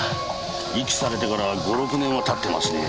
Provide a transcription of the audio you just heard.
遺棄されてから５６年は経ってますね。